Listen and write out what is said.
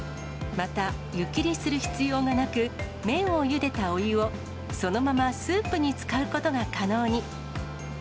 また、湯切りする必要がなく、麺をゆでたお湯を、そのままスープに使うことが可能に。